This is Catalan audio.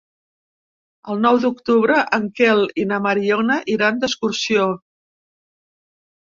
El nou d'octubre en Quel i na Mariona iran d'excursió.